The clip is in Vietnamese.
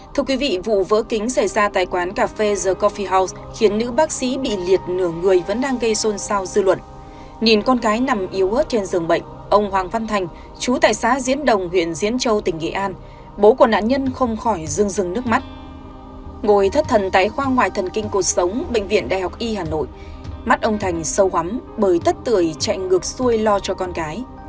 trong bệnh viện đại học y hà nội mắt ông thành sâu hắm bởi tất tửi chạy ngược xuôi lo cho con gái